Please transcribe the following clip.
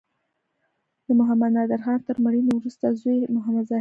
د محمد نادر خان تر مړینې وروسته زوی یې محمد ظاهر پاچا شو.